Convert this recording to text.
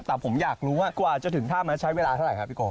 แต่ผมอยากรู้ว่ากว่าจะถึงถ้ำใช้เวลาเท่าไหร่ครับพี่โก